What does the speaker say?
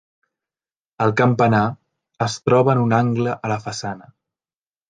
El campanar es troba en un angle a la façana.